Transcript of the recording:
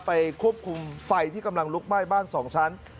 ควบคุมไฟที่กำลังลุกไหม้บ้าน๒ชั้น